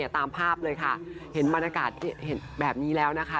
ตามภาพเลยค่ะเห็นบรรยากาศเห็นแบบนี้แล้วนะคะ